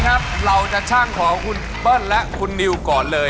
ครับเราจะช่างของคุณเปิ้ลและคุณนิวก่อนเลย